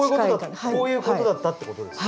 こういうことだったってことですか。